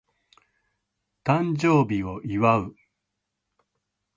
誕生日を祝う